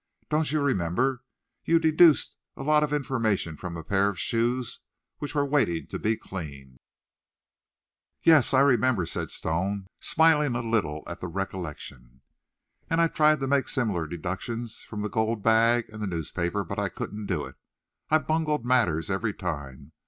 Don't you remember, you deduced a lot of information from a pair of shoes which were waiting to be cleaned?" "Yes, I remember," said Stone, smiling a little at the recollection. "And I tried to make similar deductions from the gold bag and the newspaper, but I couldn't do it. I bungled matters every time.